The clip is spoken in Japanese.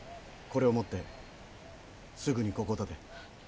これを持ってすぐにここをたて。